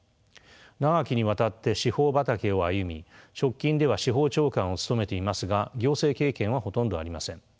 長きにわたって司法畑を歩み直近では司法長官を務めていますが行政経験はほとんどありません。